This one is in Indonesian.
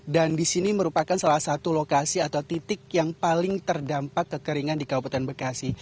dan di sini merupakan salah satu lokasi atau titik yang paling terdampak kekeringan di kabupaten bekasi